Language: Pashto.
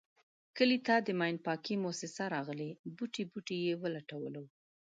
کلي ته د ماین پاکی موسیسه راغلې بوټی بوټی یې و لټولو.